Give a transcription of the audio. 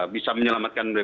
bisa menyelamatkan bpjs